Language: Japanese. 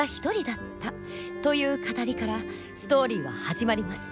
という語りからストーリーは始まります。